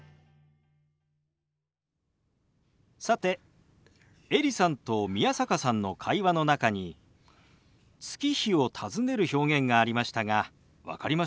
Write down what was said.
さてエリさんと宮坂さんの会話の中に月日を尋ねる表現がありましたが分かりましたか？